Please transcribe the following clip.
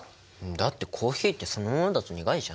だってコーヒーってそのままだと苦いじゃん。